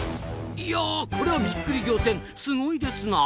いやこりゃびっくり仰天すごいですなあ！